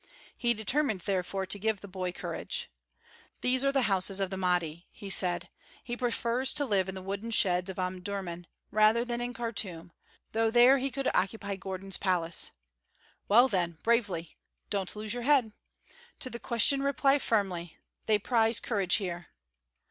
He determined therefore to give the boy courage. "These are the houses of the Mahdi," he said. "He prefers to live in the wooden sheds of Omdurmân rather than in Khartûm, though there he could occupy Gordon's palace. Well then, bravely! Don't lose your head! To the question reply firmly. They prize courage here.